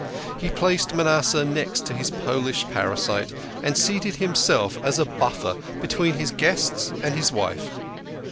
He placed Manasseh next to his Polish parasite, and seated himself as a buffer between his guests and his wife.